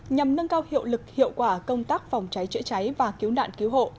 nhằm nâng cao hiệu lực hiệu quả công tác phòng cháy chữa cháy và cứu nạn cứu hộ